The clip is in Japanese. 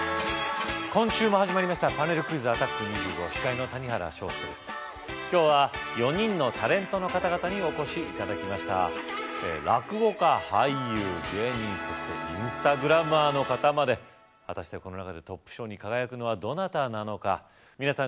今週も始まりましたパネルクイズアタ司会の谷原章介です今日は４人のタレントの方々にお越し頂きました落語家・俳優・芸人そしてインスタグラマーの方まで果たしてこの中でトップ賞に輝くのはどなたなのか皆さん